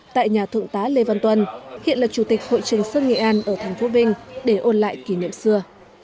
tại nhà thượng tá lê văn tuân hiện là chủ tịch hội trường sơn nghệ an ở tp vn để ôn lại kỷ niệm xưa